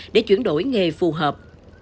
để chuyển đổi nghề phù hợp